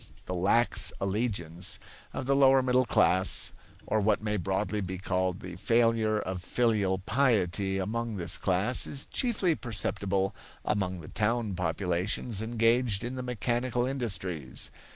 The lax allegiance of the lower middle class, or what may broadly be called the failure of filial piety among this class, is chiefly perceptible among the town populations engaged in the mechanical industries.